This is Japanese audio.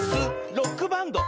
「ロックバンド」！